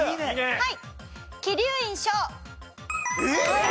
はい。